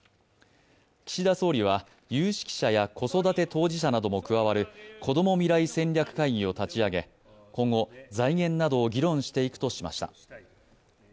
岸田総理は有識者や子育て当事者なども加わるこども未来戦略会議を立ち上げ、今後、財源などを議論していくとしました。